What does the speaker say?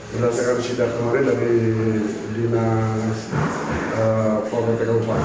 berdasarkan sidak kemarin dari dinas pemoteng kabupaten